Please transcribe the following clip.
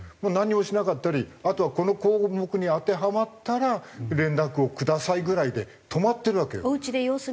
なんにもしなかったりあとは「この項目に当てはまったら連絡をください」ぐらいで止まってるわけよ。